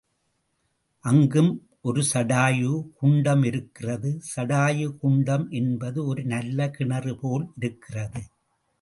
அங்கும் ஒரு சடாயு குண்டம் இருக்கிறது சடாயு குண்டம் என்பது ஒரு நல்ல கிணறு போல் இருக்கிறது.